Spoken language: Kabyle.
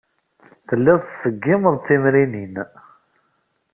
Telliḍ tettṣeggimeḍ timrinin.